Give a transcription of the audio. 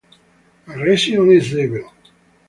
agression is evil.